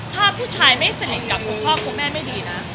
ถ้าผู้ชายไม่สนิทกับคุณพ่อคุณแม่ไม่ดีนะ